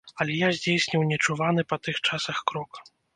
Але я здзейсніў нечуваны па тых часах крок.